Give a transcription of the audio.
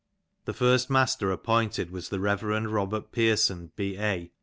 The first master appointed " was the Rev. Robert Pearson B.A.